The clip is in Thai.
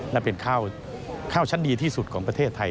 และเป็นข้าวชั้นดีที่สุดของประเทศไทย